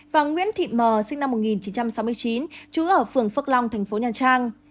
và nguyễn thị m sinh năm một nghìn chín trăm sáu mươi chín chú ở phường phước long thành phố nhân trang